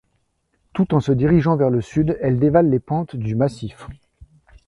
Tout en se dirigeant vers le sud, elle dévale les pentes du massif.